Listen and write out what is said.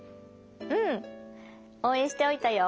うんおうえんしておいたよ。